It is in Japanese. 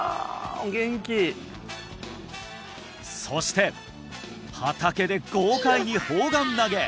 そして畑で豪快に砲丸投げ！